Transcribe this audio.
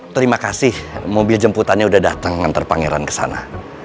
terima kasih mobil jemputannya udah dateng nganter pangeran kesana